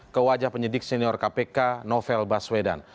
ke wajah penyidik senior kpk novel baswedan